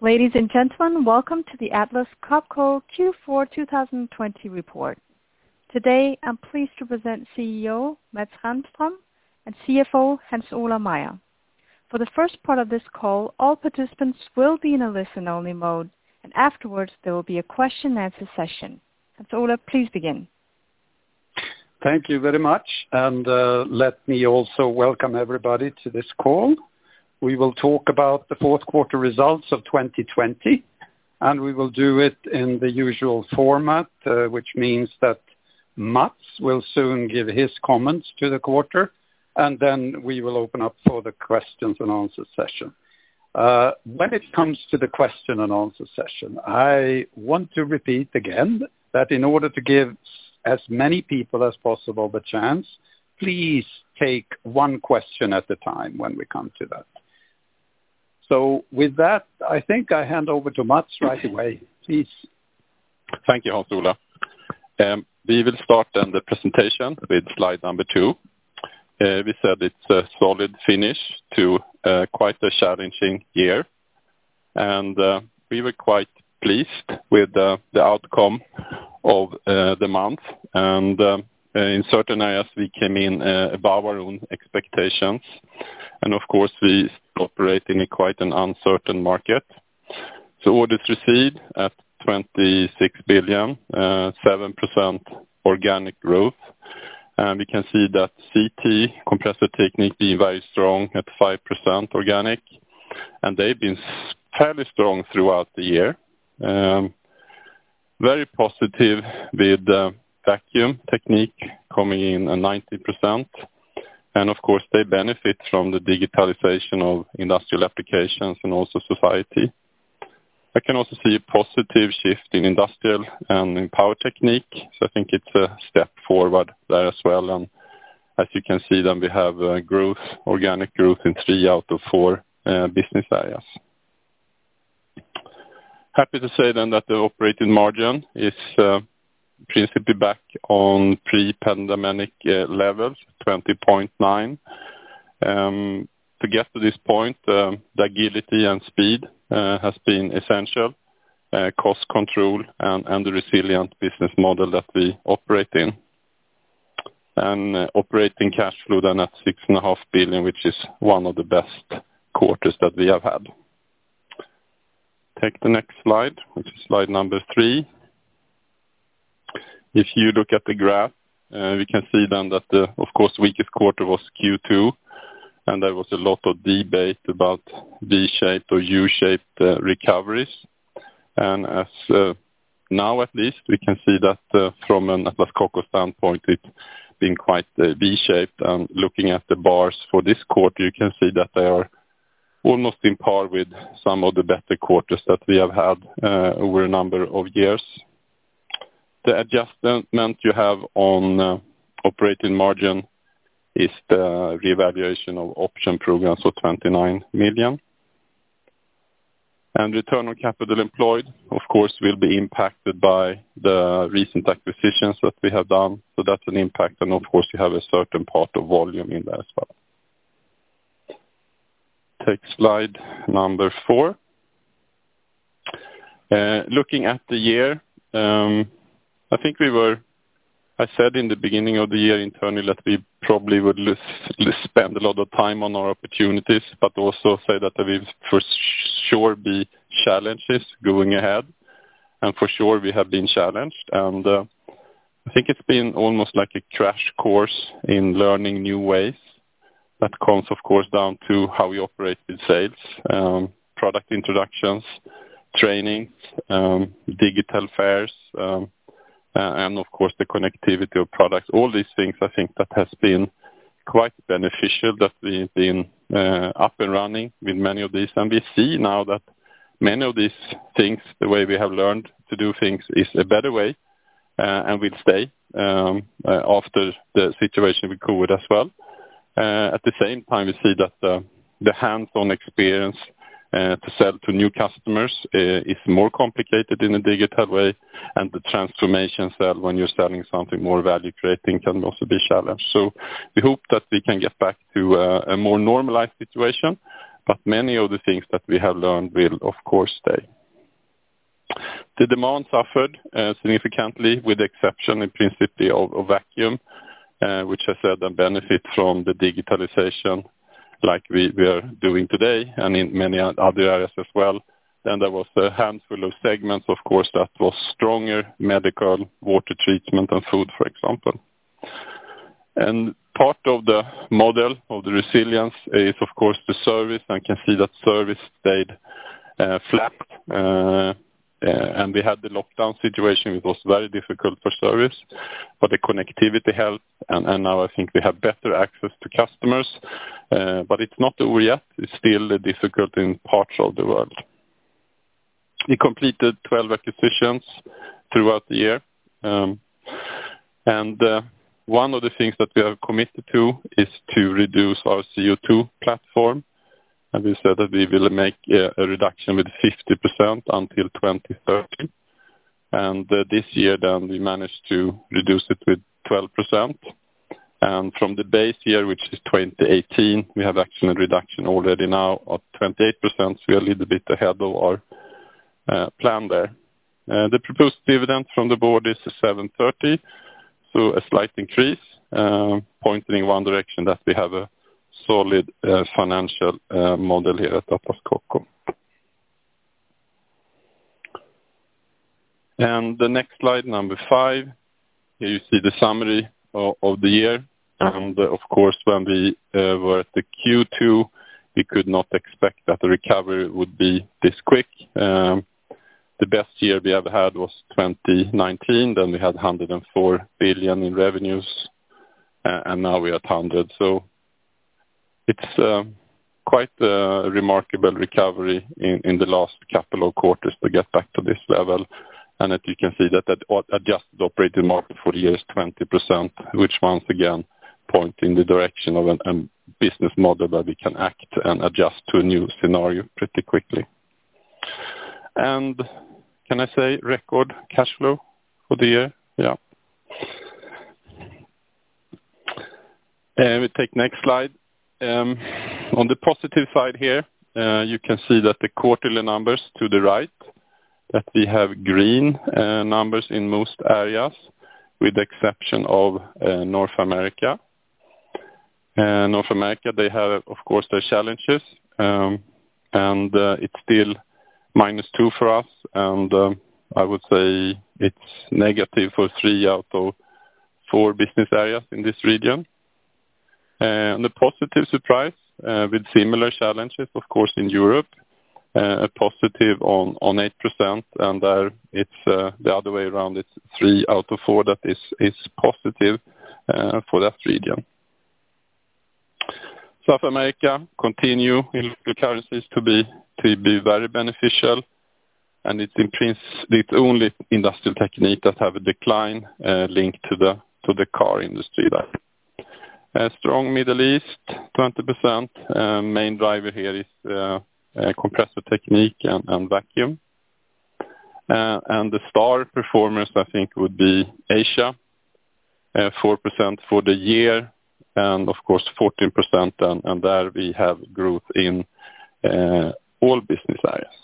Ladies and gentlemen, welcome to the Atlas Copco Q4 2020 report. Today, I'm pleased to present CEO Mats Rahmström and CFO Hans Ola Meyer. For the first part of this call, all participants will be in a listen-only mode, and afterwards, there will be a question-and-answer session. Hans Ola, please begin. Thank you very much. Let me also welcome everybody to this call. We will talk about the fourth quarter results of 2020, and we will do it in the usual format, which means that Mats will soon give his comments to the quarter, and then we will open up for the questions and answer session. When it comes to the question-and-answer session, I want to repeat again that in order to give as many people as possible the chance, please take one question at a time when we come to that. With that, I think I hand over to Mats right away. Please. Thank you, Hans Ola. We will start the presentation with slide number two. We said it's a solid finish to quite a challenging year. We were quite pleased with the outcome of the month. In certain areas, we came in above our own expectations. Of course, we operate in quite an uncertain market. Orders received at 26 billion, 7% organic growth. We can see that CT, Compressor Technique, being very strong at 5% organic, and they've been fairly strong throughout the year. Very positive with Vacuum Technique coming in at 19%. Of course, they benefit from the digitalization of industrial applications and also society. I can also see a positive shift in industrial and in Power Technique. I think it's a step forward there as well. As you can see then we have organic growth in three out of four business areas. Happy to say that the operating margin is principally back on pre-pandemic levels, 20.9%. To get to this point, the agility and speed has been essential, cost control, and the resilient business model that we operate in. Operating cash flow then at 6.5 billion, which is one of the best quarters that we have had. Take the next slide, which is slide number three. If you look at the graph, we can see then that, of course, weakest quarter was Q2, and there was a lot of debate about V-shaped or U-shaped recoveries. As of now at least, we can see that from an Atlas Copco standpoint, it's been quite V-shaped, and looking at the bars for this quarter, you can see that they are almost on par with some of the better quarters that we have had over a number of years. The adjustment you have on operating margin is the revaluation of option programs of 29 million. Return on capital employed, of course, will be impacted by the recent acquisitions that we have done. That's an impact, and of course, you have a certain part of volume in there as well. Take slide number four. Looking at the year, I said in the beginning of the year internally that we probably would spend a lot of time on our opportunities, but also say that there will for sure be challenges going ahead. For sure, we have been challenged, and I think it's been almost like a crash course in learning new ways. That comes, of course, down to how we operate with sales, product introductions, training, digital fairs, and of course, the connectivity of products. All these things I think that has been quite beneficial that we've been up and running with many of these. We see now that many of these things, the way we have learned to do things is a better way, and will stay after the situation with COVID as well. At the same time, we see that the hands-on experience to sell to new customers is more complicated in a digital way, and the transformation sell when you're selling something more value creating can also be a challenge. We hope that we can get back to a more normalized situation, but many of the things that we have learned will, of course, stay. The demand suffered significantly, with the exception, in principle, of Vacuum, which has had a benefit from the digitalization like we are doing today and in many other areas as well. There was a handful of segments, of course, that was stronger, medical, water treatment, and food, for example. Part of the model of the resilience is, of course, the service, and you can see that service stayed flat. We had the lockdown situation, it was very difficult for service, but the connectivity helped, and now I think we have better access to customers, but it's not over yet. It's still difficult in parts of the world. We completed 12 acquisitions throughout the year, and one of the things that we have committed to is to reduce our CO2 platform, and we said that we will make a reduction with 50% until 2030. This year we managed to reduce it with 12%. From the base year, which is 2018, we have accident reduction already now of 28%, we are a little bit ahead of our plan there. The proposed dividend from the board is 7.30, a slight increase, pointing in one direction that we have a solid financial model here at Atlas Copco. The next slide, number five, here you see the summary of the year. Of course, when we were at the Q2, we could not expect that the recovery would be this quick. The best year we ever had was 2019. We had 104 billion in revenues, and now we're at 100. It's quite a remarkable recovery in the last couple of quarters to get back to this level. That you can see that adjusted operating margin for the year is 20%, which once again point in the direction of a business model that we can act and adjust to a new scenario pretty quickly. Can I say record cash flow for the year? Yeah. We take next slide. On the positive side here, you can see that the quarterly numbers to the right, that we have green numbers in most areas with the exception of North America. North America, they have, of course, their challenges, and it's still -2 for us, and I would say it's negative for three out of four business areas in this region. The positive surprise, with similar challenges, of course, in Europe, a positive on 8%, and there it's the other way around, it's three out of four that is positive for that region. South America continue in local currencies to be very beneficial. It's only Industrial Technique that have a decline linked to the car industry there. A strong Middle East, 20%. Main driver here is Compressor Technique and Vacuum. The star performance, I think, would be Asia, 4% for the year and, of course, 14%, and there we have growth in all business areas.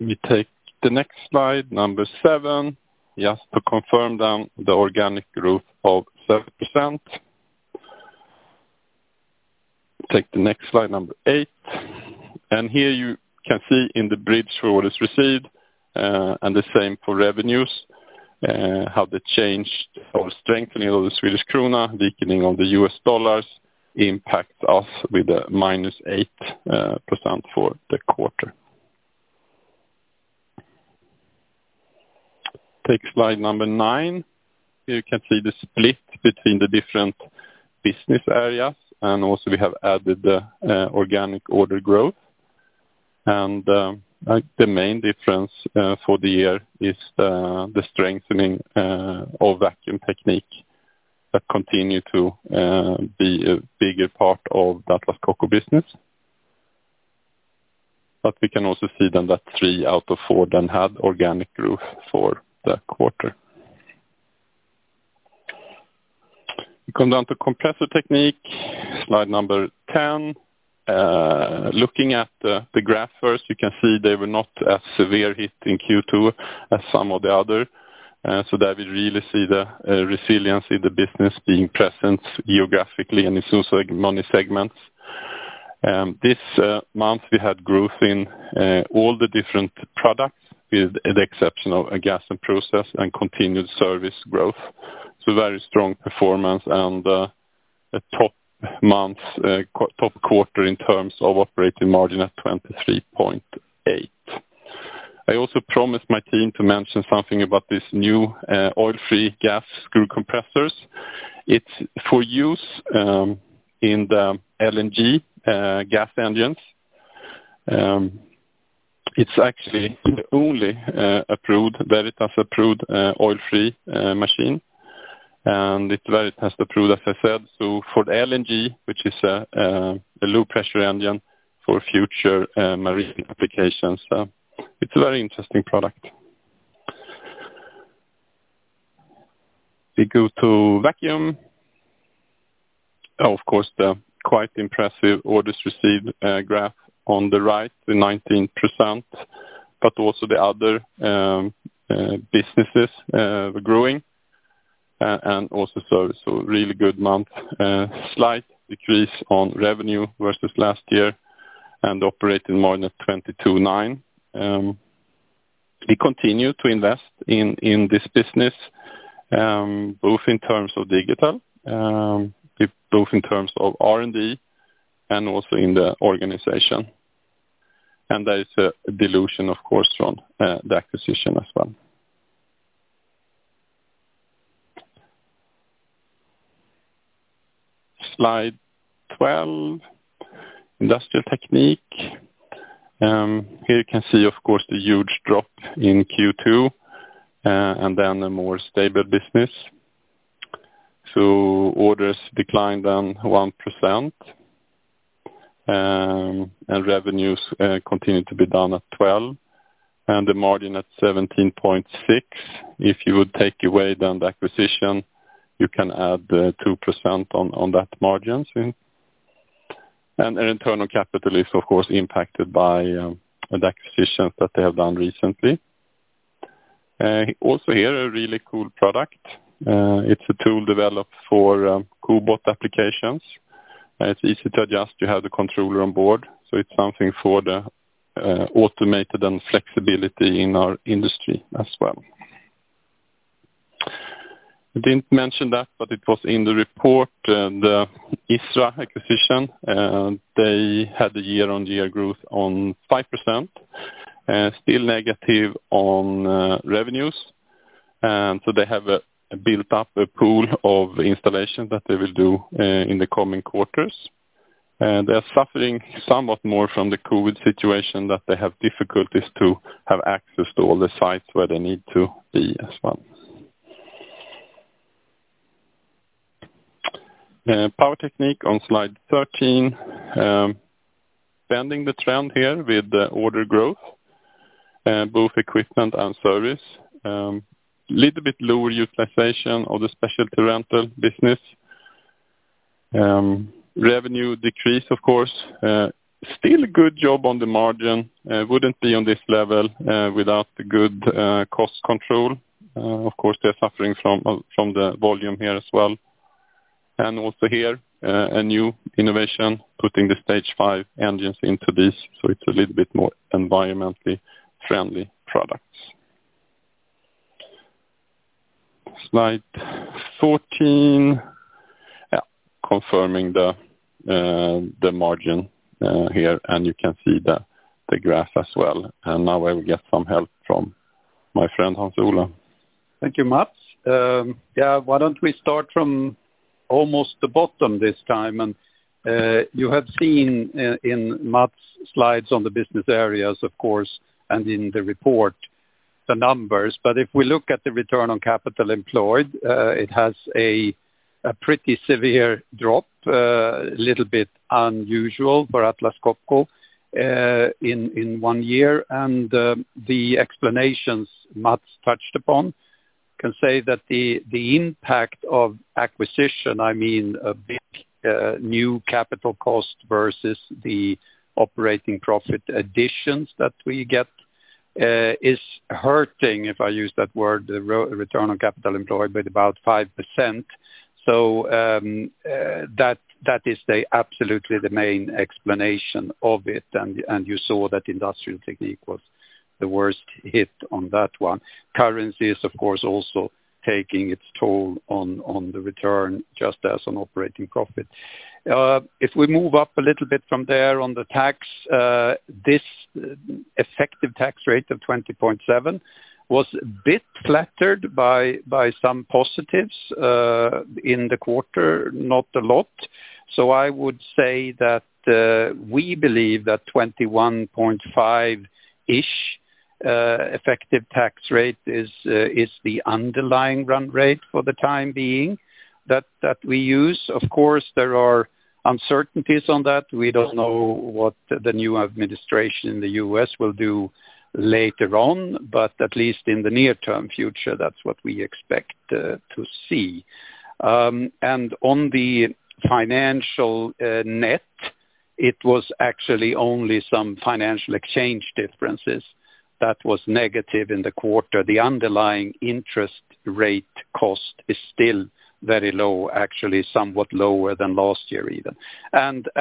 We take the next slide number seven just to confirm the organic growth of 7%. Take the next slide number eight. Here you can see in the bridge for orders received, and the same for revenues, how the change or strengthening of the Swedish krona, weakening of the US dollars impacts us with a -8% for the quarter. Take slide number nine. Here you can see the split between the different business areas, and also we have added the organic order growth. The main difference for the year is the strengthening of Vacuum Technique that continue to be a bigger part of Atlas Copco business. We can also see then that three out of four then had organic growth for the quarter. We come down to Compressor Technique, slide number 10. Looking at the graph first, you can see they were not as severe hit in Q2 as some of the other, so that we really see the resilience in the business being present geographically and it's also many segments. This month, we had growth in all the different products, with the exception of Gas and Process and continued service growth. Very strong performance and the top quarter in terms of operating margin at 23.8. I also promised my team to mention something about this new oil-free gas screw compressors. It's for use in the LNG gas engines. It's actually the only Bureau Veritas approved oil-free machine. It's Bureau Veritas approved, as I said, so for the LNG, which is a low-pressure engine for future marine applications. It's a very interesting product. We go to Vacuum. Of course, the quite impressive orders received graph on the right, the 19%, but also the other businesses were growing, and also service. Really good month. A slight decrease on revenue versus last year and operating margin at 22.9%. We continue to invest in this business, both in terms of digital, both in terms of R&D, and also in the organization. There is a dilution, of course, from the acquisition as well. Slide 12, Industrial Technique. Here you can see, of course, the huge drop in Q2, and then a more stable business. Orders declined down 1%, and revenues continue to be down at 12%, and the margin at 17.6%. If you would take away the acquisition, you can add 2% on that margin. Return on capital is, of course, impacted by the acquisitions that they have done recently. Also here, a really cool product. It's a tool developed for cobot applications. It's easy to adjust. You have the controller on board. It's something for the automated and flexibility in our industry as well. I didn't mention that, but it was in the report, the ISRA acquisition. They had a year-on-year growth on 5%, still negative on revenues. They have built up a pool of installations that they will do in the coming quarters. They are suffering somewhat more from the COVID situation, that they have difficulties to have access to all the sites where they need to be as well. Power Technique on slide 13. Bending the trend here with the order growth, both equipment and service. Little bit lower utilization of the specialty rental business. Revenue decrease, of course. Still a good job on the margin. Wouldn't be on this level without the good cost control. Of course, they're suffering from the volume here as well. Also here, a new innovation, putting the Stage V engines into this, so it's a little bit more environmentally friendly products. Slide 14. Confirming the margin here, and you can see the graph as well. Now I will get some help from my friend, Hans Ola. Thank you, Mats. Why don't we start from almost the bottom this time? You have seen in Mats' slides on the business areas, of course, and in the report, the numbers. If we look at the return on capital employed, it has a pretty severe drop, a little bit unusual for Atlas Copco in one year. The explanations Mats touched upon can say that the impact of acquisition, I mean, a big new capital cost versus the operating profit additions that we get, is hurting, if I use that word, the return on capital employed by about 5%. That is absolutely the main explanation of it, and you saw that Industrial Technique was the worst hit on that one. Currency is, of course, also taking its toll on the return, just as on operating profit. We move up a little bit from there on the tax, this effective tax rate of 20.7% was a bit flattered by some positives in the quarter, not a lot. I would say that we believe that 21.5%-ish effective tax rate is the underlying run rate for the time being that we use. Of course, there are uncertainties on that. We don't know what the new administration in the U.S. will do later on, at least in the near-term future, that's what we expect to see. On the financial net, it was actually only some financial exchange differences that was negative in the quarter. The underlying interest rate cost is still very low, actually somewhat lower than last year, even.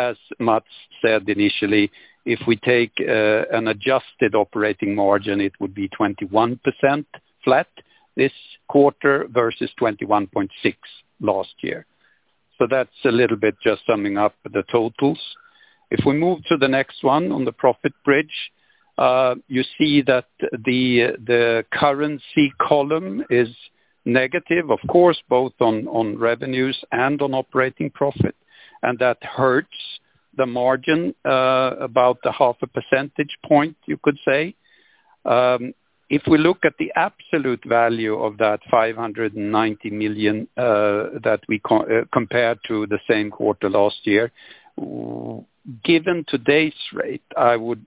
As Mats said initially, if we take an adjusted operating margin, it would be 21% flat this quarter versus 21.6% last year. That's a little bit just summing up the totals. If we move to the next one on the profit bridge, you see that the currency column is negative, of course, both on revenues and on operating profit, and that hurts the margin about the half a percentage point, you could say. If we look at the absolute value of that 590 million that we compare to the same quarter last year, given today's rate, I would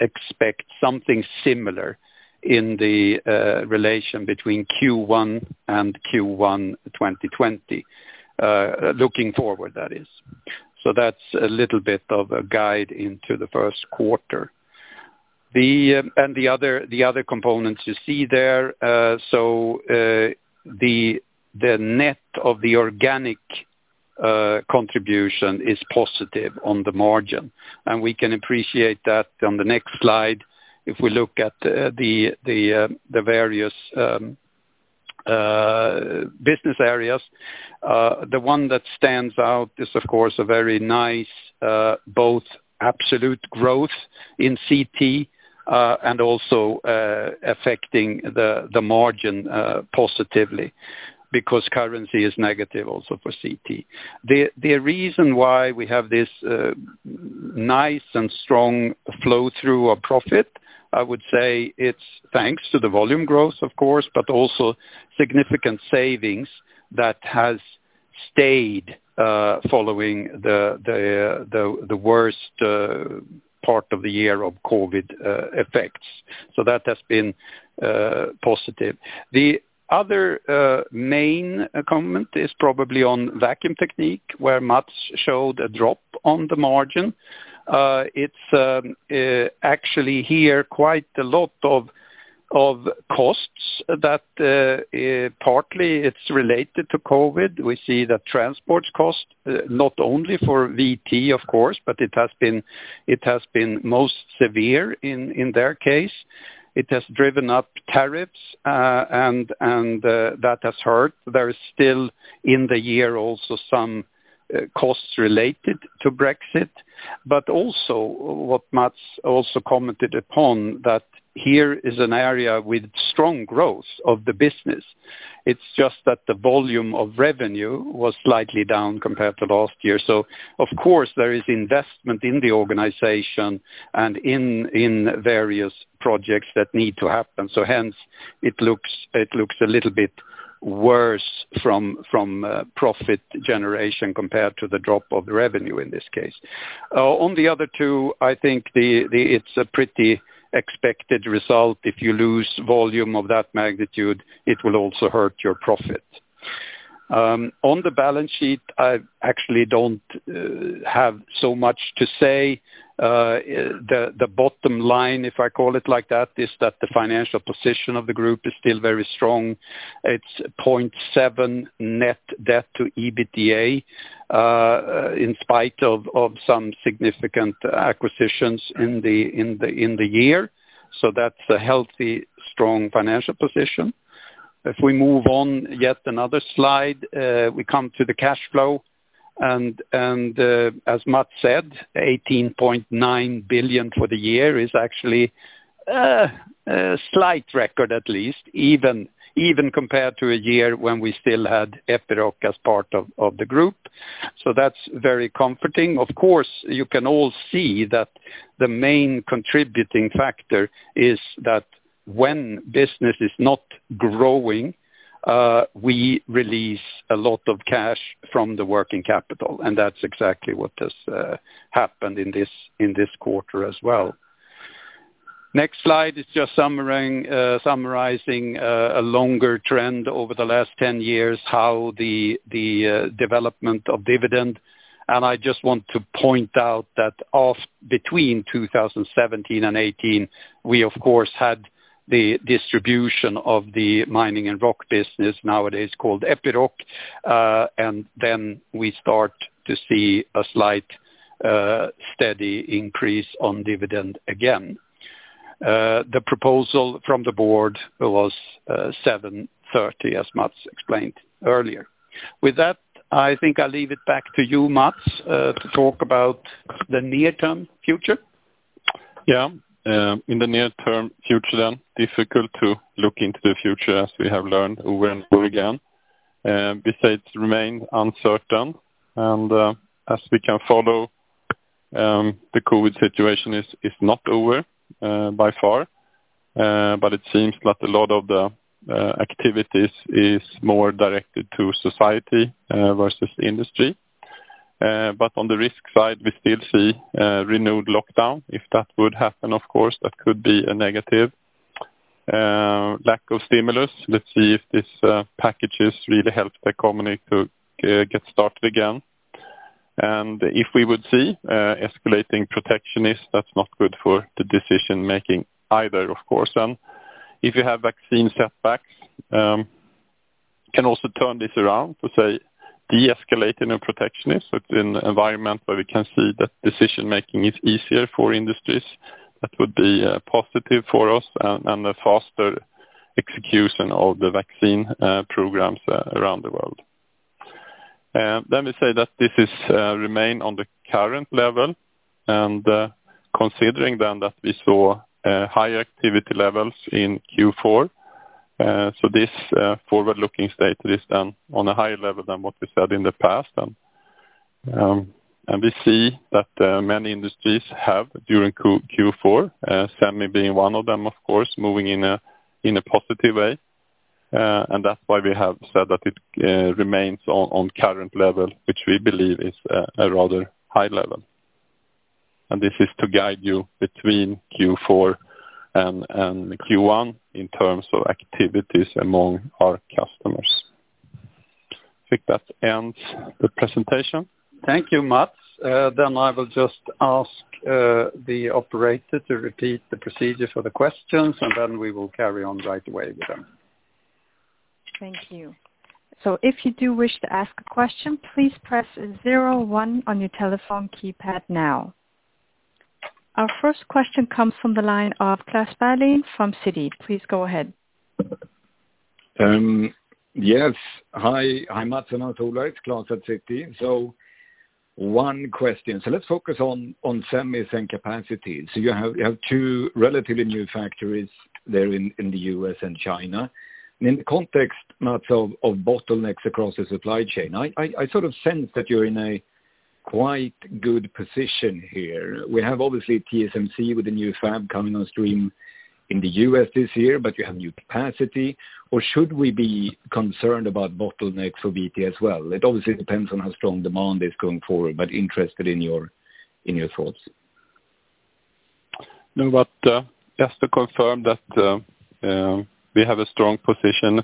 expect something similar in the relation between Q1 and Q1 2020, looking forward, that is. That's a little bit of a guide into the first quarter. The other components you see there, so the net of the organic contribution is positive on the margin, and we can appreciate that on the next slide if we look at the various business areas. The one that stands out is, of course, a very nice both absolute growth in CT and also affecting the margin positively because currency is negative also for CT. The reason why we have this nice and strong flow through our profit, I would say it is thanks to the volume growth, of course, but also significant savings that has stayed following the worst part of the year of COVID effects. That has been positive. The other main comment is probably on Vacuum Technique, where Mats showed a drop on the margin. It is actually here quite a lot of costs that partly it is related to COVID. We see that transport costs, not only for VT, of course, but it has been most severe in their case. It has driven up tariffs, and that has hurt. There is still in the year also some costs related to Brexit, but also what Mats also commented upon, that here is an area with strong growth of the business. It's just that the volume of revenue was slightly down compared to last year. Of course, there is investment in the organization and in various projects that need to happen. Hence it looks a little bit worse from a profit generation compared to the drop of revenue in this case. On the other two, I think it's a pretty expected result. If you lose volume of that magnitude, it will also hurt your profit. On the balance sheet, I actually don't have so much to say. The bottom line, if I call it like that, is that the financial position of the group is still very strong. It's 0.7 net debt to EBITDA, in spite of some significant acquisitions in the year. That's a healthy, strong financial position. If we move on yet another slide, we come to the cash flow, and as Mats said, 18.9 billion for the year is actually a slight record, at least, even compared to a year when we still had Epiroc as part of the group. That's very comforting. Of course, you can all see that the main contributing factor is that when business is not growing, we release a lot of cash from the working capital, and that's exactly what has happened in this quarter as well. Next slide is just summarizing a longer trend over the last 10 years, how the development of dividend. I just want to point out that between 2017 and 2018, we, of course, had the distribution of the mining and rock business, nowadays called Epiroc. Then we start to see a slight steady increase on dividend again. The proposal from the board was 7.30, as Mats explained earlier. With that, I think I'll leave it back to you, Mats, to talk about the near-term future. Yeah. In the near-term future, difficult to look into the future as we have learned over and over again. We say it remains uncertain, as we can follow, the COVID situation is not over by far. It seems that a lot of the activities is more directed to society versus industry. On the risk side, we still see a renewed lockdown. If that would happen, of course, that could be a negative. Lack of stimulus. Let's see if these packages really help the economy to get started again. If we would see escalating protectionist, that's not good for the decision making either, of course. If you have vaccine setbacks, can also turn this around to say deescalating a protectionist in an environment where we can see that decision making is easier for industries, that would be a positive for us, and a faster execution of the vaccine programs around the world. Let me say that this remain on the current level and, considering then that we saw higher activity levels in Q4, so this forward-looking statement is then on a higher level than what we said in the past. We see that many industries have, during Q4, semi being one of them, of course, moving in a positive way. That's why we have said that it remains on current level, which we believe is a rather high level. This is to guide you between Q4 and Q1 in terms of activities among our customers. I think that ends the presentation. Thank you, Mats. I will just ask the operator to repeat the procedure for the questions, and then we will carry on right away with them. Thank you. If you do wish to ask a question, please press zero one on your telephone keypad now. Our first question comes from the line of Klas Bergelind from Citi. Please go ahead. Yes. Hi, Mats and Arturo. It's Klas at Citi. One question. Let's focus on semis and capacity. You have two relatively new factories there in the U.S. and China. In the context, Mats, of bottlenecks across the supply chain, I sort of sense that you're in a quite good position here. We have obviously TSMC with the new fab coming on stream in the U.S. this year, but you have new capacity. Should we be concerned about bottlenecks for VT as well? It obviously depends on how strong demand is going forward, but interested in your thoughts. No, just to confirm that we have a strong position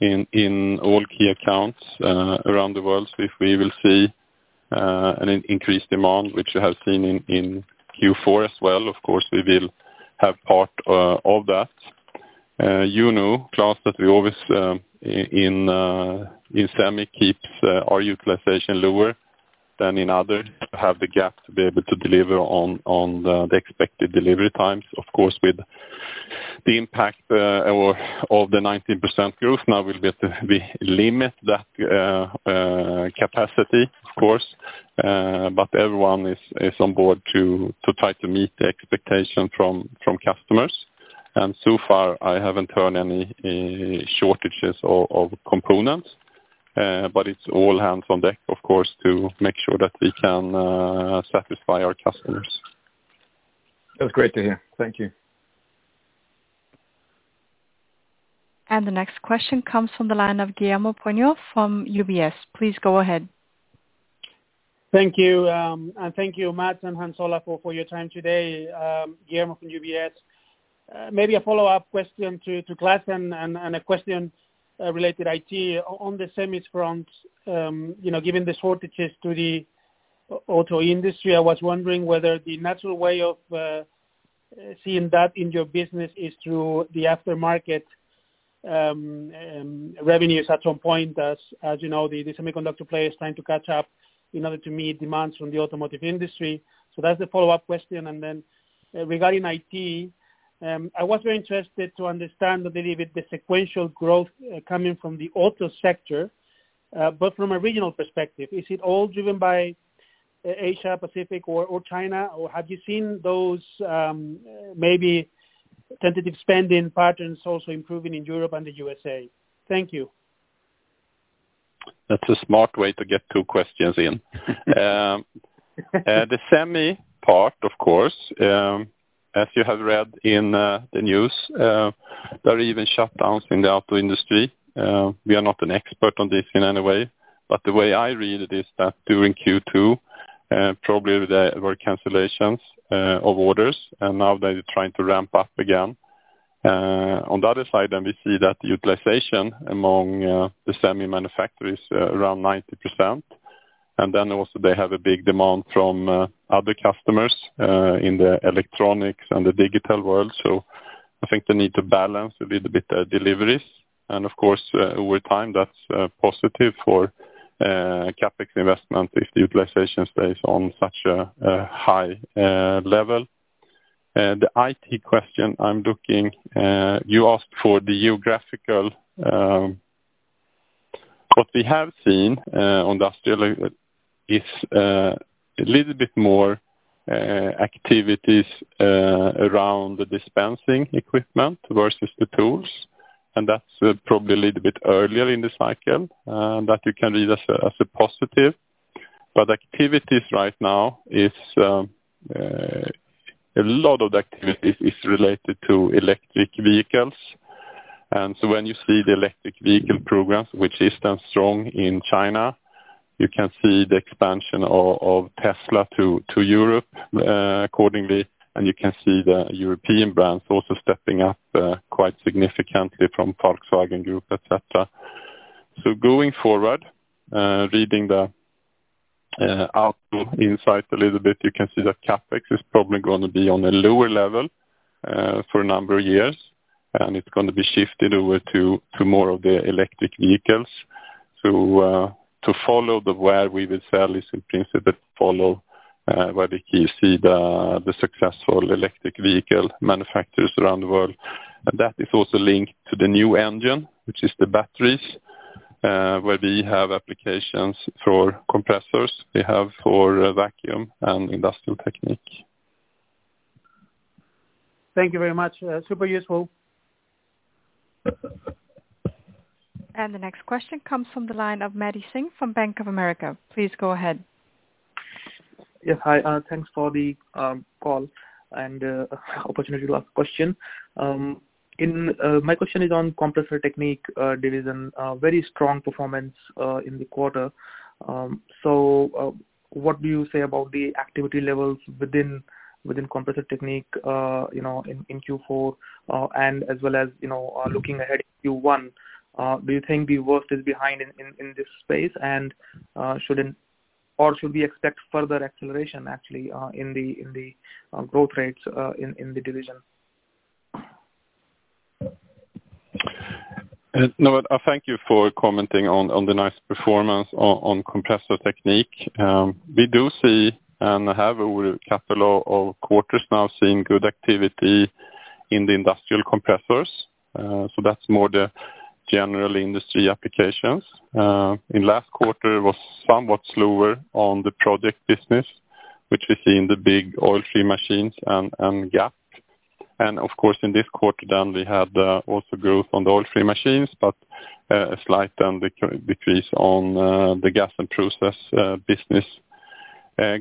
in all key accounts around the world. If we will see an increased demand, which you have seen in Q4 as well, of course, we will have part of that. You know, Klas, that we always, in semi, keep our utilization lower than in other, have the gap to be able to deliver on the expected delivery times, of course, with the impact of the 19% growth. Now we limit that capacity, of course. Everyone is on board to try to meet the expectation from customers. So far, I haven't heard any shortages of components. It's all hands on deck, of course, to make sure that we can satisfy our customers. That's great to hear. Thank you. The next question comes from the line of Guillermo Peigneux from UBS. Please go ahead. Thank you. Thank you, Mats and Hans Ola, for your time today. Guillermo from UBS. Maybe a follow-up question to Klas and a question related to IT. On the semi front, given the shortages to the auto industry, I was wondering whether the natural way of seeing that in your business is through the aftermarket revenues at some point, as you know, the semiconductor play is trying to catch up in order to meet demands from the automotive industry. That's the follow-up question. Regarding IT, I was very interested to understand a little bit the sequential growth coming from the auto sector, but from a regional perspective. Is it all driven by Asia Pacific or China, or have you seen those maybe tentative spending patterns also improving in Europe and the U.S.A.? Thank you. That's a smart way to get two questions in. The semi part, of course, as you have read in the news, there are even shutdowns in the auto industry. We are not an expert on this in any way, but the way I read it is that during Q2, probably there were cancellations of orders, and now they're trying to ramp up again. On the other side, we see that utilization among the semi manufacturers, around 90%. Then also they have a big demand from other customers in the electronics and the digital world. I think they need to balance a little bit their deliveries. Of course, over time, that's positive for CapEx investment if the utilization stays on such a high level. The IT question, I'm looking, you asked for the geographical. What we have seen, industrially, is a little bit more activities around the dispensing equipment versus the tools, that's probably a little bit earlier in this cycle, that you can read as a positive. Activities right now, a lot of the activities is related to electric vehicles. When you see the electric vehicle programs, which stand strong in China, you can see the expansion of Tesla to Europe accordingly, you can see the European brands also stepping up quite significantly from Volkswagen Group, et cetera. Going forward, reading the auto insights a little bit, you can see that CapEx is probably going to be on a lower level for a number of years, it's going to be shifted over to more of the electric vehicles. To follow the where we will sell is in principle to follow where we see the successful electric vehicle manufacturers around the world. That is also linked to the new engine, which is the batteries, where we have applications for compressors, we have for vacuum and Industrial Technique. Thank you very much. Super useful. The next question comes from the line of Marty Singh from Bank of America. Please go ahead. Yeah, hi. Thanks for the call and opportunity to ask a question. My question is on Compressor Technique. There is a very strong performance in the quarter. What do you say about the activity levels within Compressor Technique in Q4, and as well as looking ahead Q1? Do you think the worst is behind in this space, or should we expect further acceleration actually in the growth rates in the division? Thank you for commenting on the nice performance on Compressor Technique. We do see and have over a couple of quarters now, seen good activity in the industrial compressors. That's more the general industry applications. In last quarter, it was somewhat slower on the project business, which we see in the big oil-free machines and, of course, in this quarter, we had also growth on the oil-free machines, but a slight decrease on the Gas and Process business.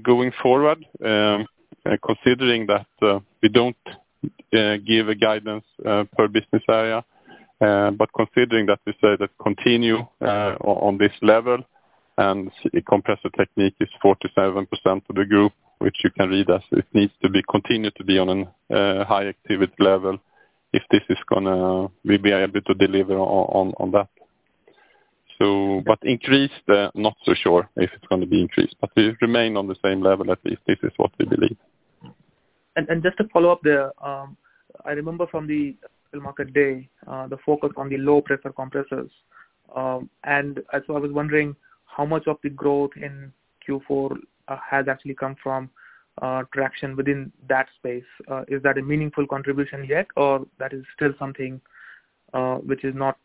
Going forward, considering that we don't give a guidance per business area, but considering that we say that continue on this level and Compressor Technique is 47% of the group, which you can read as it needs to continue to be on a high activity level if this is We'll be able to deliver on that. Increase, not so sure if it's going to be increased, but we remain on the same level at least, this is what we believe. Just to follow up there, I remember from the market day, the focus on the low pressure compressors. I was wondering how much of the growth in Q4 has actually come from traction within that space. Is that a meaningful contribution yet or that is still something, which is not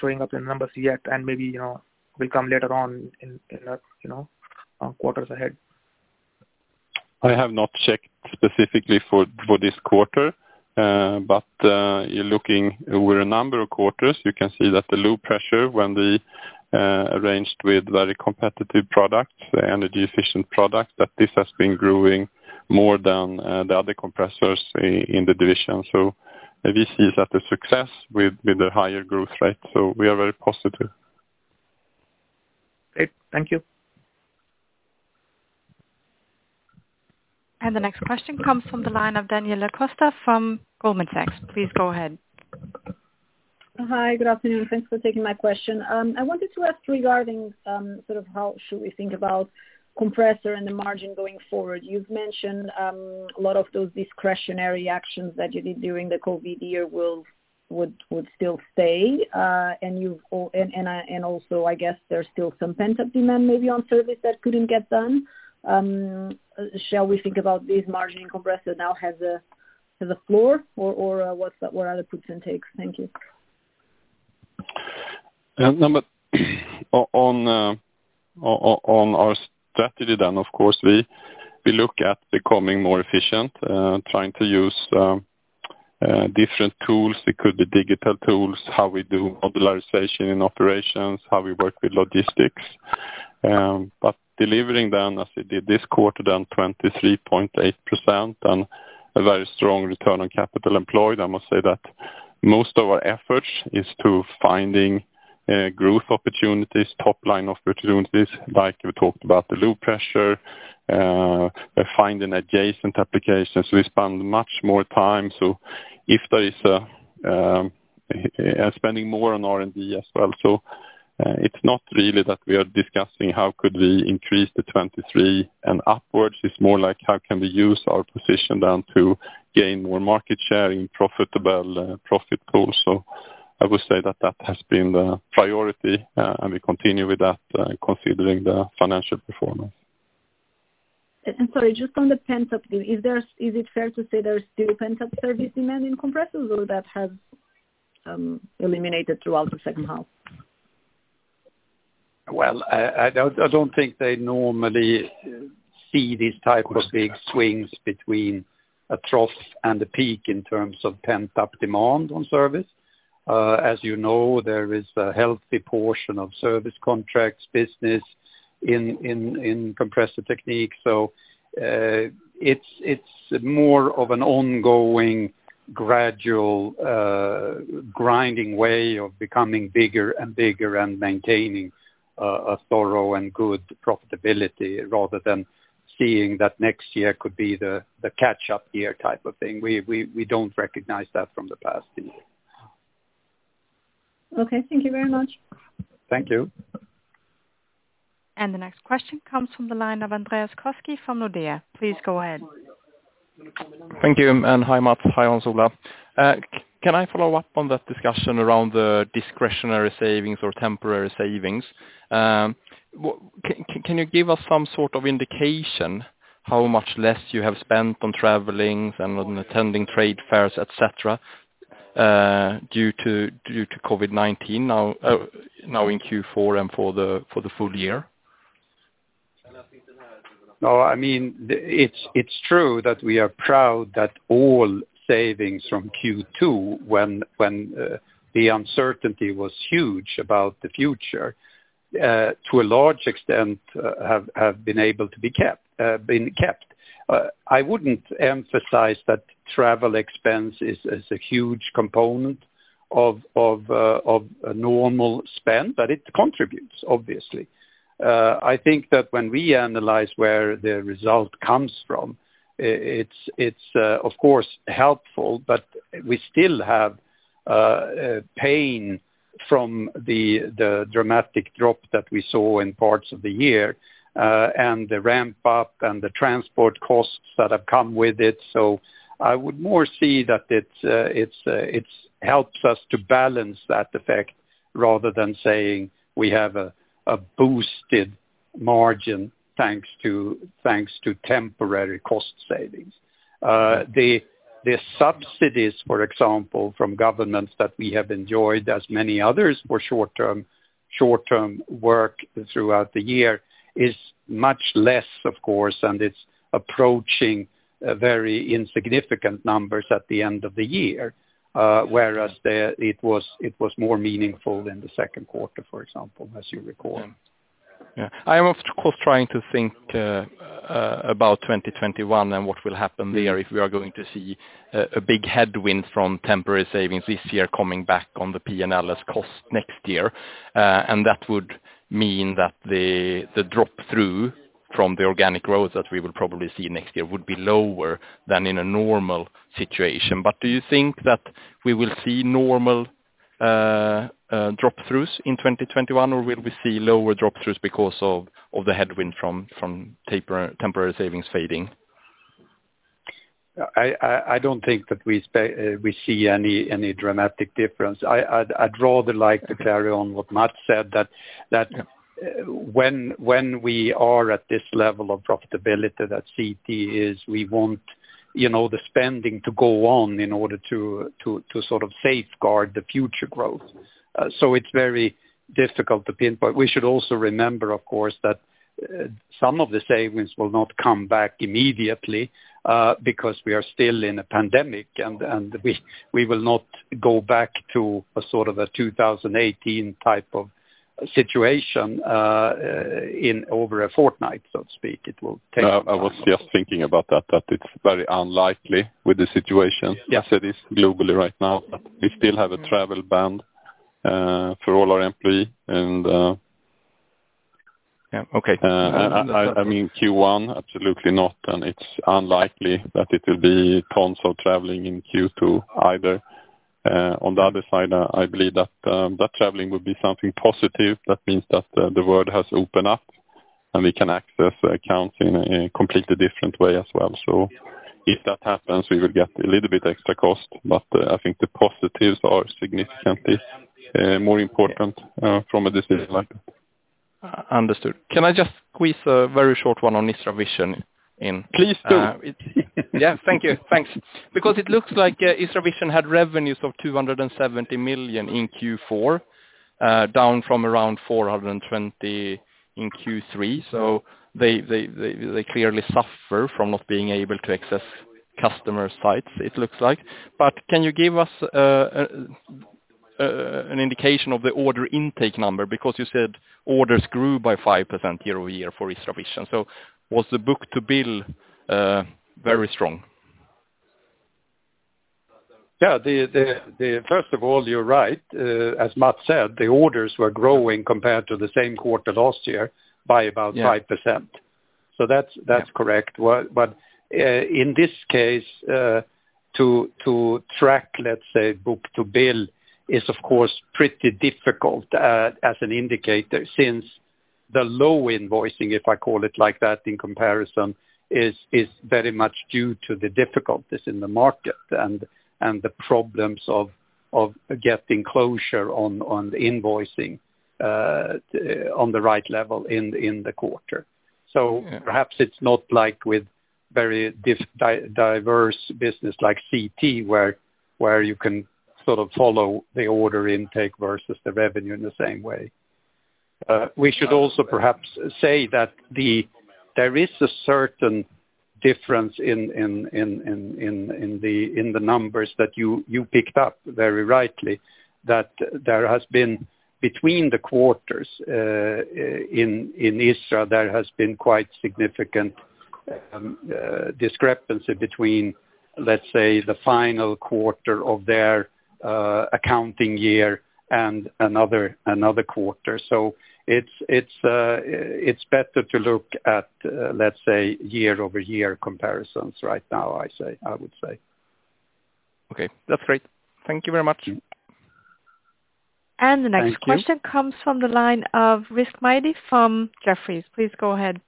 showing up in numbers yet and maybe will come later on in quarters ahead? I have not checked specifically for this quarter, but you're looking over a number of quarters, you can see that the low pressure, when we arranged with very competitive products, energy efficient products, that this has been growing more than the other compressors in the division. We see that a success with a higher growth rate. We are very positive. Great. Thank you. The next question comes from the line of Daniela Costa from Goldman Sachs. Please go ahead. Hi, good afternoon. Thanks for taking my question. I wanted to ask regarding, sort of how should we think about Compressor Technique and the margin going forward. You've mentioned a lot of those discretionary actions that you did during the COVID year would still stay. Also, I guess there's still some pent-up demand maybe on service that couldn't get done. Shall we think about this margin Compressor Technique now has a sort of floor or what are the puts and takes? Thank you. On our strategy, of course, we look at becoming more efficient, trying to use different tools. It could be digital tools, how we do modularization in operations, how we work with logistics. Delivering then, as we did this quarter, down 23.8% and a very strong return on capital employed. I must say that most of our efforts is to finding growth opportunities, top line opportunities, like we talked about the low pressure, finding adjacent applications. We spend much more time, spending more on R&D as well. It's not really that we are discussing how could we increase the 23 and upwards. It's more like how can we use our position then to gain more market share in profitable, profit goals. I would say that has been the priority, and we continue with that, considering the financial performance. Sorry, just on the pent-up demand, is it fair to say there's still pent-up service demand in compressors or that has eliminated throughout the second half? Well, I don't think they normally see these type of big swings between a trough and a peak in terms of pent-up demand on service. As you know, there is a healthy portion of service contracts business in Compressor Technique. It's more of an ongoing, gradual, grinding way of becoming bigger and bigger and maintaining a thorough and good profitability rather than seeing that next year could be the catch-up year type of thing. We don't recognize that from the past years. Okay, thank you very much. Thank you. The next question comes from the line of Andreas Koski from Nordea. Please go ahead. Thank you. Hi, Mats. Hi, Hans Ola. Can I follow up on that discussion around the discretionary savings or temporary savings? Can you give us some sort of indication how much less you have spent on traveling and on attending trade fairs, et cetera, due to COVID-19 now in Q4 and for the full year? No, I mean, it's true that we are proud that all savings from Q2 when the uncertainty was huge about the future, to a large extent, have been kept. I wouldn't emphasize that travel expense is a huge component of a normal spend, but it contributes, obviously. I think that when we analyze where the result comes from, it's of course helpful, but we still have pain from the dramatic drop that we saw in parts of the year, and the ramp up and the transport costs that have come with it. I would more see that it helps us to balance that effect rather than saying we have a boosted margin thanks to temporary cost savings. The subsidies, for example, from governments that we have enjoyed as many others for short-term work throughout the year is much less, of course, and it's approaching very insignificant numbers at the end of the year, whereas it was more meaningful than the second quarter, for example, as you recall. Yeah. I'm, of course, trying to think about 2021 and what will happen there if we are going to see a big headwind from temporary savings this year coming back on the P&L as cost next year. That would mean that the drop through from the organic growth that we will probably see next year would be lower than in a normal situation. Do you think that we will see normal drop throughs in 2021, or will we see lower drop throughs because of the headwind from temporary savings fading? I don't think that we see any dramatic difference. I'd rather like to carry on what Mats said, that when we are at this level of profitability that CT is, we want the spending to go on in order to safeguard the future growth. It's very difficult to pinpoint. We should also remember, of course, that some of the savings will not come back immediately, because we are still in a pandemic, and we will not go back to a 2018 type of situation in over a fortnight, so to speak. I was just thinking about that it's very unlikely with the situation. Yes As it is globally right now, we still have a travel ban for all our employee. Yeah. Okay. I mean, Q1, absolutely not, and it's unlikely that it will be canceled traveling in Q2 either. On the other side, I believe that traveling would be something positive. That means that the world has opened up, and we can access accounts in a completely different way as well. If that happens, we will get a little bit extra cost, but I think the positives are significantly more important from a decision level. Understood. Can I just squeeze a very short one on ISRA VISION in? Please do. Yeah. Thank you. Thanks. It looks like ISRA VISION had revenues of 270 million in Q4, down from around 420 million in Q3. They clearly suffer from not being able to access customer sites, it looks like. Can you give us an indication of the order intake number, because you said orders grew by 5% year-over-year for ISRA VISION. Was the book to bill very strong? Yeah. First of all, you're right. As Mats said, the orders were growing compared to the same quarter last year by about 5%. Yeah. That's correct. In this case, to track, let's say, book to bill is, of course, pretty difficult as an indicator since the low invoicing, if I call it like that in comparison, is very much due to the difficulties in the market and the problems of getting closure on the invoicing on the right level in the quarter. Yeah. Perhaps it's not like with very diverse business like CT where you can follow the order intake versus the revenue in the same way. We should also perhaps say that there is a certain difference in the numbers that you picked up very rightly, that there has been between the quarters in ISRA, there has been quite significant discrepancy between, let's say, the final quarter of their accounting year and another quarter. It's better to look at, let's say, year-over-year comparisons right now, I would say. Okay. That's great. Thank you very much. Thank you. The next question comes from the line of Rizk Maidi from Jefferies. Please go ahead.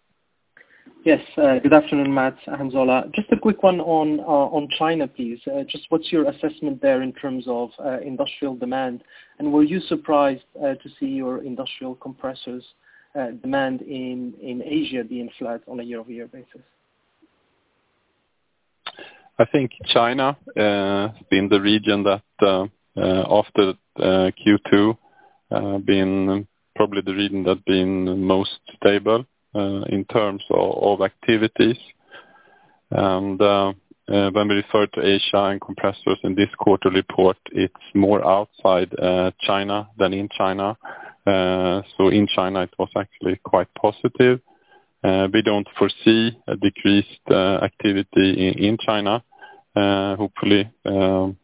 Yes. Good afternoon, Mats and Hans Ola. Just a quick one on China, please. Just what's your assessment there in terms of industrial demand, and were you surprised to see your industrial compressors demand in Asia being flat on a year-over-year basis? I think China has been the region that after Q2, have been probably the region that have been most stable in terms of activities. When we refer to Asia and compressors in this quarterly report, it's more outside China than in China. In China, it was actually quite positive. We don't foresee a decreased activity in China. Hopefully, the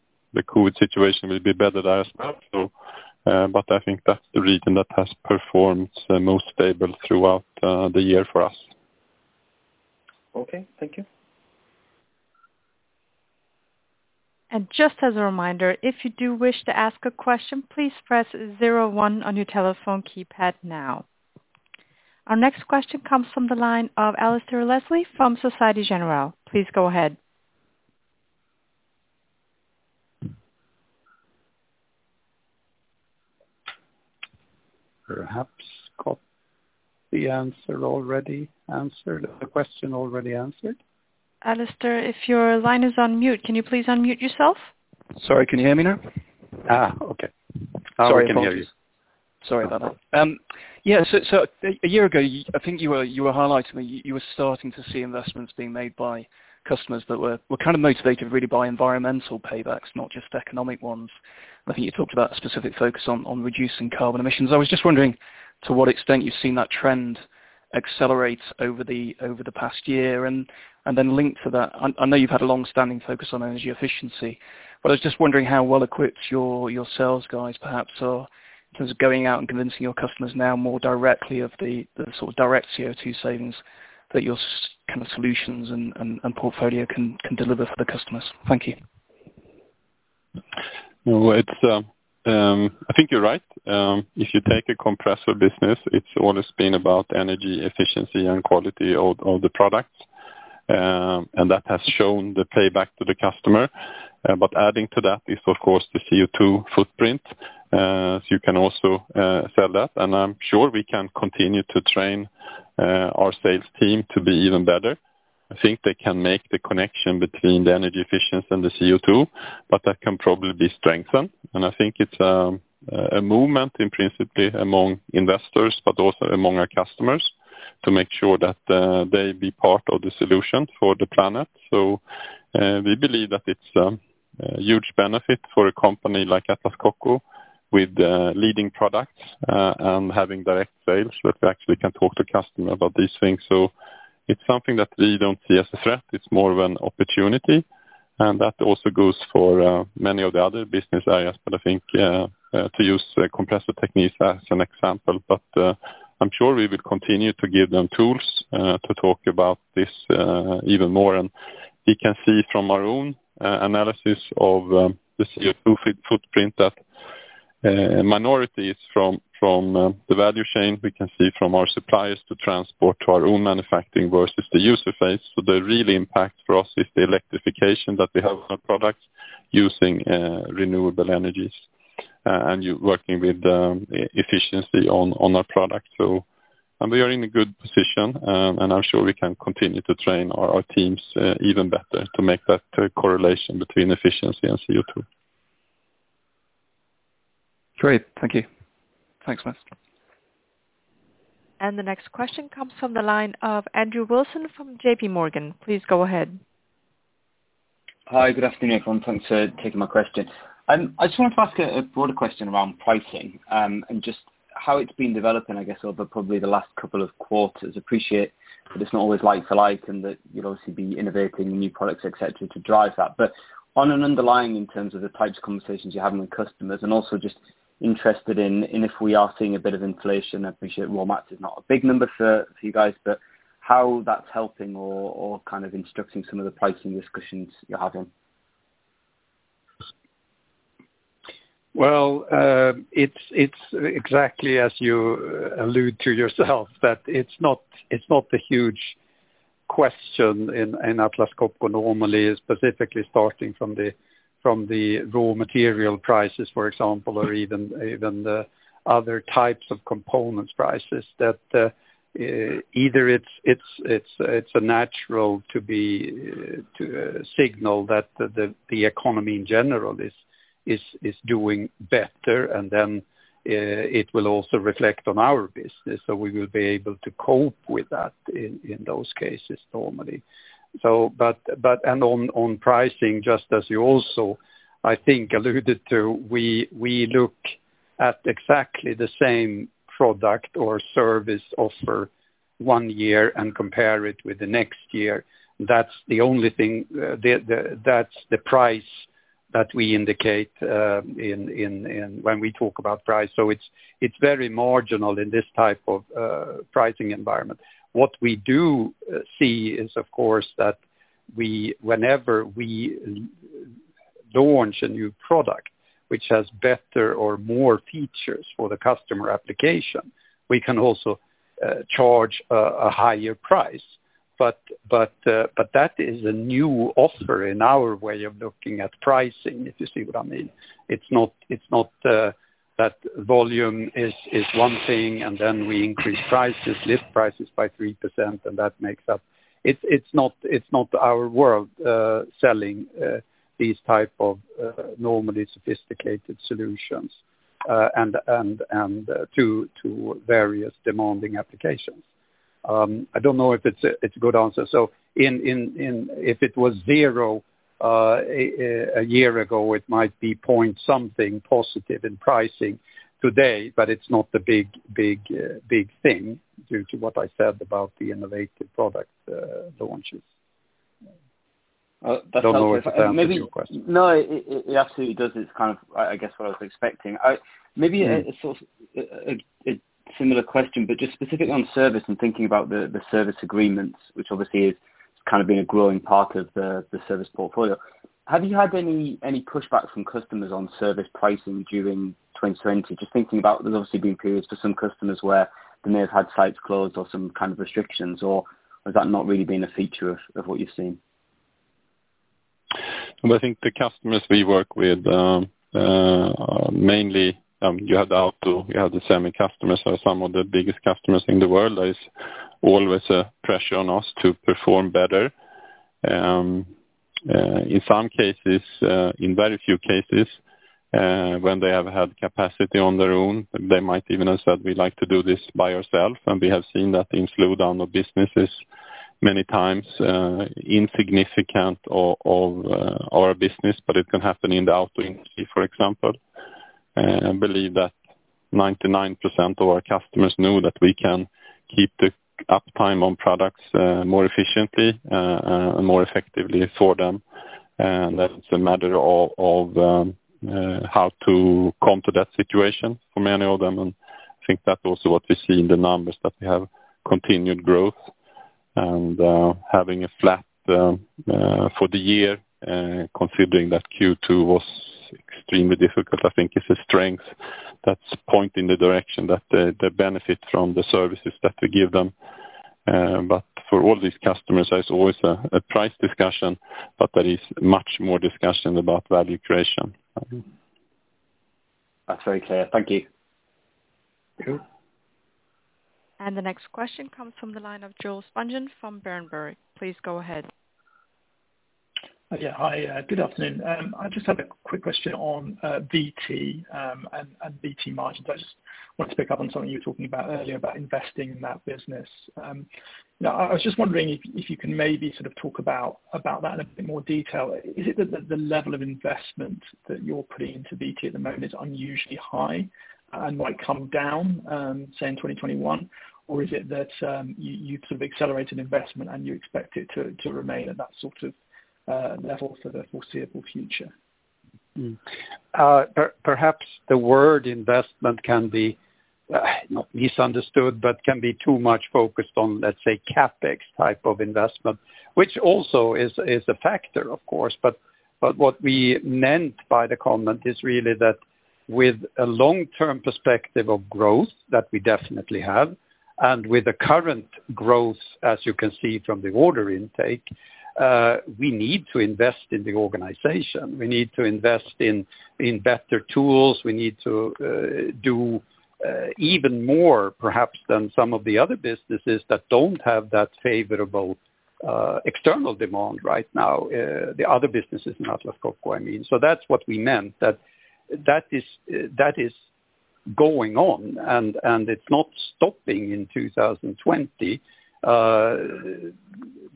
COVID situation will be better there as well. I think that's the region that has performed the most stable throughout the year for us. Okay. Thank you. Just as a reminder, if you do wish to ask a question, please press zero one on your telephone keypad now. Our next question comes from the line of Alasdair Leslie from Societe Generale. Please go ahead. The answer already answered, the question already answered? Alasdair, if your line is on mute, can you please unmute yourself? Sorry, can you hear me now? Okay. Sorry, can you hear you? Sorry about that. A year ago, I think you were highlighting, you were starting to see investments being made by customers that were kind of motivated really by environmental paybacks, not just economic ones. I think you talked about specific focus on reducing carbon emissions. I was just wondering to what extent you've seen that trend accelerate over the past year and then linked to that, I know you've had a longstanding focus on energy efficiency, but I was just wondering how well equipped your sales guys perhaps are in terms of going out and convincing your customers now more directly of the sort of direct CO2 savings that your solutions and portfolio can deliver for the customers. Thank you. I think you're right. If you take a compressor business, it's always been about energy efficiency and quality of the product, and that has shown the payback to the customer. Adding to that is, of course, the CO2 footprint, so you can also sell that, and I'm sure we can continue to train our sales team to be even better. I think they can make the connection between the energy efficiency and the CO2, but that can probably be strengthened. I think it's a movement in principle among investors, but also among our customers to make sure that they be part of the solution for the planet. We believe that it's a huge benefit for a company like Atlas Copco with leading products, and having direct sales that we actually can talk to customer about these things. It's something that we don't see as a threat, it's more of an opportunity. That also goes for many of the other business areas, but I think, to use Compressor Technique as an example, I'm sure we will continue to give them tools to talk about this even more. We can see from our own analysis of the CO2 footprint that a minority is from the value chain, we can see from our suppliers to transport to our own manufacturing versus the user phase. The real impact for us is the electrification that we have on our products using renewable energies, and working with efficiency on our product. We are in a good position, and I'm sure we can continue to train our teams even better to make that correlation between efficiency and CO2. Great. Thank you. Thanks, guys. The next question comes from the line of Andrew Wilson from JPMorgan. Please go ahead. Hi. Good afternoon, everyone. Thanks for taking my question. I just wanted to ask a broader question around pricing, and just how it's been developing, I guess, over probably the last couple of quarters. Appreciate that it's not always like for like, and that you'll obviously be innovating new products, et cetera, to drive that. But on an underlying, in terms of the types of conversations you're having with customers, and also just interested in if we are seeing a bit of inflation, I appreciate raw mats is not a big number for you guys, but how that's helping or kind of instructing some of the pricing discussions you're having. Well, it's exactly as you allude to yourself that it's not a huge question in Atlas Copco normally, specifically starting from the raw material prices, for example, or even the other types of components prices that, either it's a natural to signal that the economy in general is doing better and then it will also reflect on our business, so we will be able to cope with that in those cases normally. On pricing, just as you also, I think alluded to, we look at exactly the same product or service offer one year and compare it with the next year. That's the price that we indicate when we talk about price. It's very marginal in this type of pricing environment. What we do see is, of course, that whenever we launch a new product, which has better or more features for the customer application, we can also charge a higher price. That is a new offer in our way of looking at pricing, if you see what I mean. It's not that volume is one thing and then we increase prices, lift prices by 3% and that makes up It's not our world, selling these type of normally sophisticated solutions, and to various demanding applications. I don't know if it's a good answer. If it was zero a year ago, it might be point something positive in pricing today, but it's not the big thing due to what I said about the innovative product launches. That's helpful. Don't know if it answers your question. No, it absolutely does. It's kind of, I guess, what I was expecting. Maybe a sort of a similar question, just specifically on service and thinking about the service agreements, which obviously has kind of been a growing part of the service portfolio. Have you had any pushback from customers on service pricing during 2020? Just thinking about, there's obviously been periods for some customers where they may have had sites closed or some kind of restrictions, or has that not really been a feature of what you've seen? I think the customers we work with are mainly, you have the auto, you have the semi customers are some of the biggest customers in the world. There is always a pressure on us to perform better. In some cases, in very few cases, when they have had capacity on their own, they might even have said, we like to do this by ourselves, and we have seen that in slowdown of businesses many times insignificant to our business, but it can happen in the auto industry, for example. I believe that 99% of our customers know that we can keep the uptime on products more efficiently and more effectively for them. That's a matter of how to come to that situation for many of them, and I think that's also what we see in the numbers, that we have continued growth. Having a flat for the year, considering that Q2 was extremely difficult, I think is a strength that's pointing the direction that they benefit from the services that we give them. For all these customers, there's always a price discussion, but there is much more discussion about value creation. That's very clear. Thank you. Sure. The next question comes from the line of Joel Spungin from Berenberg. Please go ahead. Yeah. Hi, good afternoon. I just have a quick question on VT and VT margins. I just want to pick up on something you were talking about earlier about investing in that business. I was just wondering if you can maybe sort of talk about that in a bit more detail. Is it that the level of investment that you're putting into VT at the moment is unusually high and might come down, say, in 2021? Or is it that you sort of accelerated investment and you expect it to remain at that sort of level for the foreseeable future? Perhaps the word investment can be, not misunderstood, but can be too much focused on, let's say, CapEx type of investment, which also is a factor, of course. What we meant by the comment is really that with a long-term perspective of growth that we definitely have, and with the current growth, as you can see from the order intake, we need to invest in the organization. We need to invest in better tools. We need to do even more, perhaps, than some of the other businesses that don't have that favorable external demand right now. The other businesses in Atlas Copco, I mean. That's what we meant, that is going on, and it's not stopping in 2020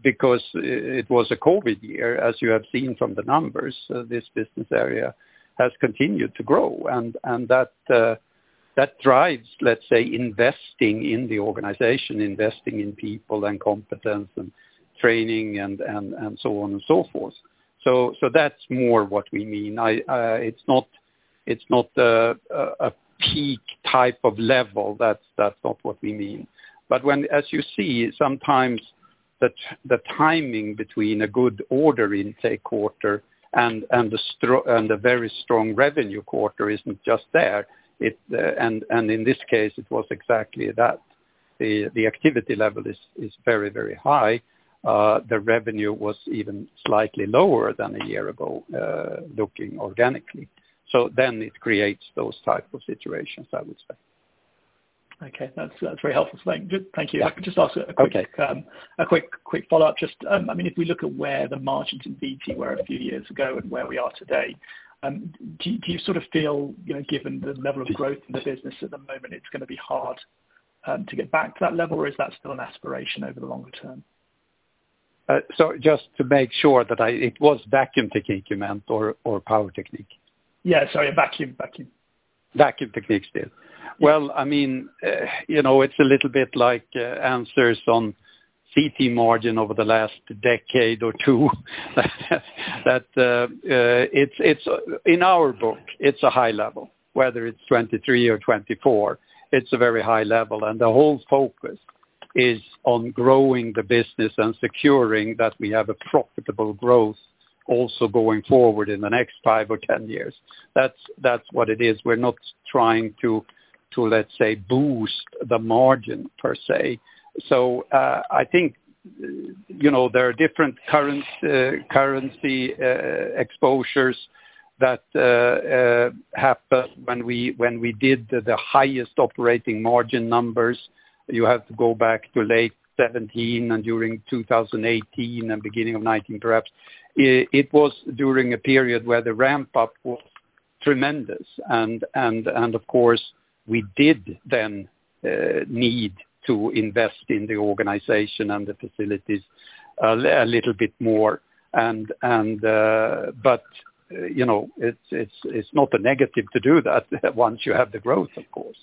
because it was a COVID year. As you have seen from the numbers, this business area has continued to grow, and that drives, let's say, investing in the organization, investing in people and competence and training and so on and so forth. That's more what we mean. It's not a peak type of level. That's not what we mean. As you see, sometimes the timing between a good order intake quarter and the very strong revenue quarter isn't just there. In this case, it was exactly that. The activity level is very high. The revenue was even slightly lower than a year ago, looking organically. It creates those type of situations, I would say. Okay. That is very helpful. Thank you. Can I just ask a quick follow-up? If we look at where the margins in VT were a few years ago and where we are today, do you sort of feel, given the level of growth in the business at the moment, it is going to be hard to get back to that level? Or is that still an aspiration over the longer term? Just to make sure that it was Vacuum Technique you meant, or Power Technique? Yeah, sorry, Vacuum. Vacuum Technique, still. Well, it's a little bit like answers on CT margin over the last decade or two. In our book, it's a high level, whether it's 23 or 24, it's a very high level, and the whole focus is on growing the business and securing that we have a profitable growth also going forward in the next five or 10 years. That's what it is. We're not trying to, let's say, boost the margin per se. I think there are different currency exposures that happen when we did the highest operating margin numbers. You have to go back to late 2017 and during 2018 and beginning of 2019, perhaps. It was during a period where the ramp-up was tremendous, and of course, we did then need to invest in the organization and the facilities a little bit more. It's not a negative to do that once you have the growth, of course.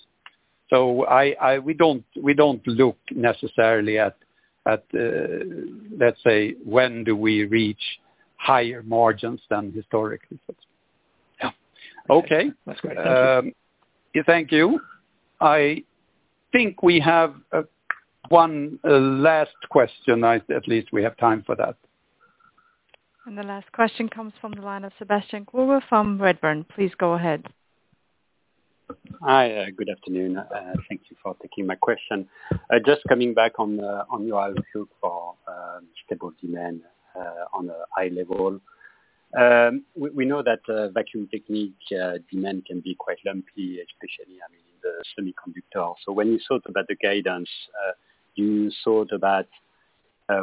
We don't look necessarily at, let's say, when do we reach higher margins than historically, let's say. Yeah. Okay. That's great. Thank you. Thank you. I think we have one last question. At least we have time for that. The last question comes from the line of Sebastian Gruber from Redburn. Please go ahead. Hi, good afternoon. Thank you for taking my question. Just coming back on your outlook for stable demand on a high level. We know that Vacuum Technique demand can be quite lumpy, especially in the semiconductor. When you thought about the guidance, you thought about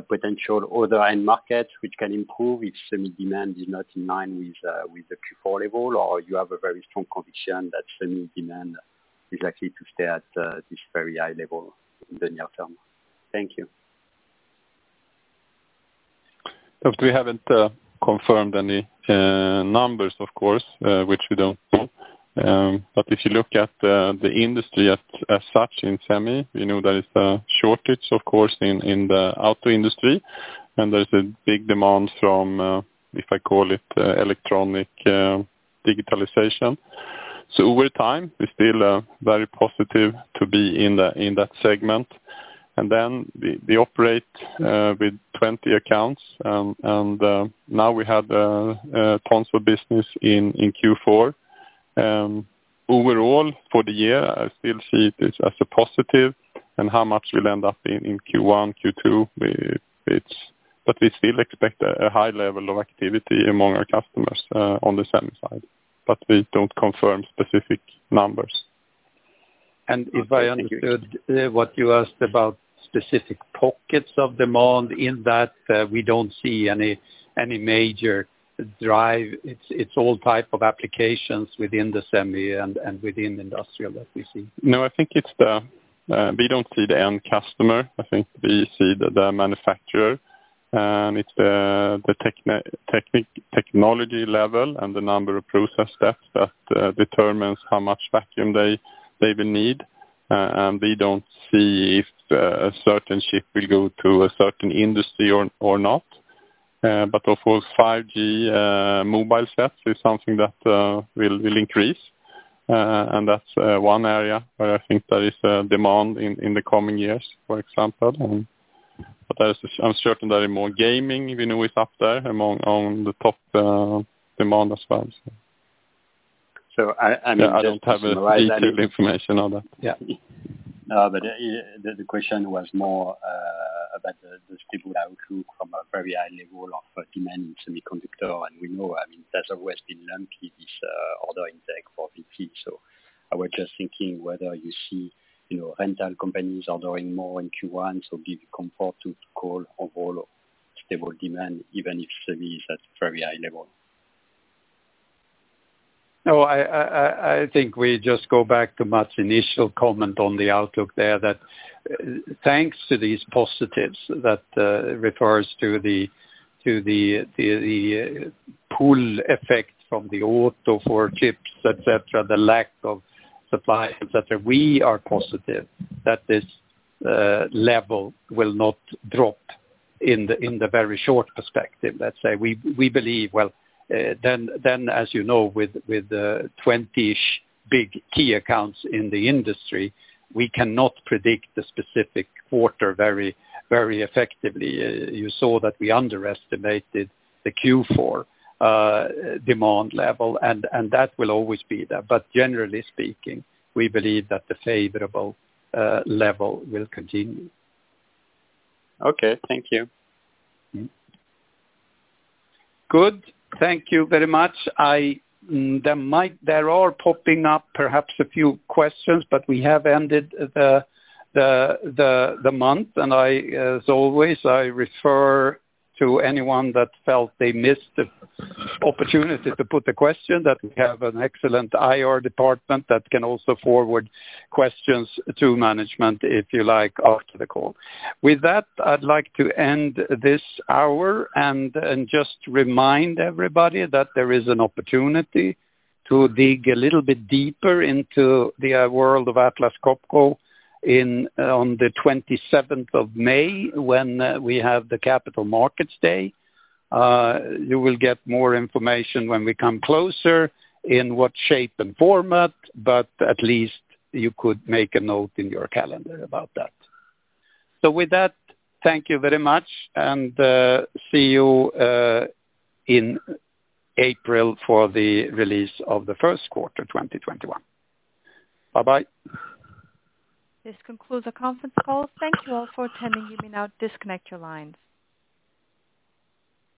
potential other end markets which can improve if semi demand is not in line with the Q4 level, or you have a very strong conviction that semi demand is likely to stay at this very high level in the near term. Thank you. Look, we haven't confirmed any numbers, of course, which we don't do. If you look at the industry as such in semi, we know there is a shortage, of course, in the auto industry, and there's a big demand from, if I call it electronic digitalization. Over time, we're still very positive to be in that segment. We operate with 20 accounts and now we have tons of business in Q4. Overall, for the year, I still see this as a positive, and how much we'll end up in Q1, Q2, but we still expect a high level of activity among our customers on the semi side. We don't confirm specific numbers. If I understood what you asked about specific pockets of demand in that, we don't see any major drive. It's all type of applications within the semi and within industrial that we see. I think we don't see the end customer. I think we see the manufacturer. It's the technology level and the number of process steps that determines how much vacuum they will need. We don't see if a certain chip will go to a certain industry or not. Of course, 5G mobile sets is something that will increase, and that's one area where I think there is demand in the coming years, for example. I'm certain there is more gaming, we know it's up there among the top demand as well. So I- I don't have any detailed information on that. Yeah. The question was more about the stable outlook from a very high level of demand in semiconductor, and we know, there's always been lumpy, this order intake for VT. I was just thinking whether you see rental companies ordering more in Q1, so be comfortable to call overall stable demand, even if semi is at very high level. I think we just go back to Mats' initial comment on the outlook there, that thanks to these positives that refers to the pull effect from the auto for chips, et cetera, the lack of supply, et cetera, we are positive that this level will not drop in the very short perspective, let's say. We believe, well, as you know, with 20-ish big key accounts in the industry, we cannot predict the specific quarter very effectively. You saw that we underestimated the Q4 demand level. That will always be there. Generally speaking, we believe that the favorable level will continue. Okay. Thank you. Good. Thank you very much. There are popping up perhaps a few questions, but we have ended the month, and as always, I refer to anyone that felt they missed the opportunity to put the question, that we have an excellent IR department that can also forward questions to management, if you like, after the call. With that, I'd like to end this hour, and just remind everybody that there is an opportunity to dig a little bit deeper into the world of Atlas Copco on the 27th of May when we have the Capital Markets Day. You will get more information when we come closer in what shape and format, but at least you could make a note in your calendar about that. With that, thank you very much, and see you in April for the release of the first quarter 2021. Bye-bye. This concludes the conference call. Thank you all for attending. You may now disconnect your lines.